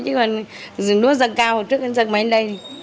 chứ còn nó dần cao trước dần mấy đây